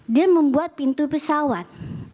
dia membuat pintu pesawat